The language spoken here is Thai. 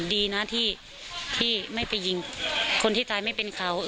ดีนะที่ไม่ไปยิงคนที่ตายไม่เป็นเขา